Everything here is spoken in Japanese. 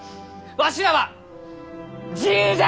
わしらは自由じゃ！